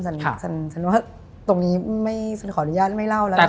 ฉันว่าตรงนี้ฉันขออนุญาตไม่เล่าแล้วกัน